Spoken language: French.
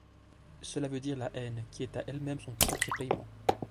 Cela veut dire la haine qui est à elle-même son propre paiement.